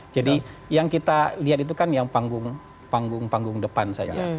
jadi yang kita lihat itu kan yang panggung panggung depan saja